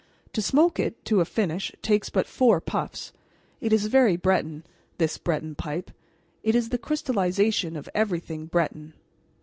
To smoke it to a finish takes but four puffs. It is very Breton, this Breton pipe. It is the crystallization of everything Breton.